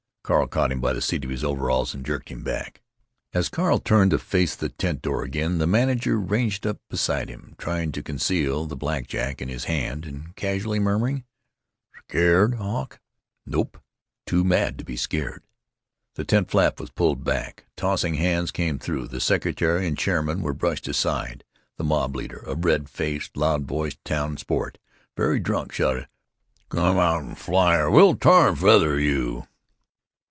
Carl caught him by the seat of his overalls and jerked him back. As Carl turned to face the tent door again the manager ranged up beside him, trying to conceal the black jack in his hand, and casually murmuring, "Scared, Hawk?" "Nope. Too mad to be scared." The tent flap was pulled back. Tossing hands came through. The secretary and chairman were brushed aside. The mob leader, a red faced, loud voiced town sport, very drunk, shouted, "Come out and fly or we'll tar and feather you!"